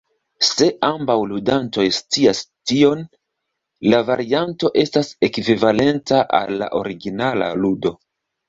Se ambaŭ ludantoj scias tion, la varianto estas ekvivalenta al la originala ludo.